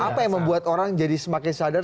apa yang membuat orang jadi semakin sadar